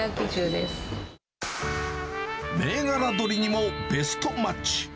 銘柄鶏にもベストマッチ。